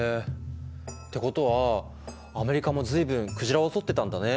ってことはアメリカも随分鯨を取ってたんだね。